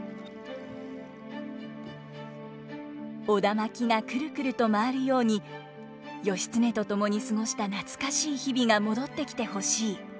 苧環がくるくると回るように義経と共に過ごした懐かしい日々が戻ってきて欲しい。